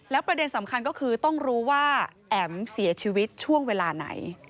ประเด็นสำคัญก็คือต้องรู้ว่าแอ๋มเสียชีวิตช่วงเวลาไหน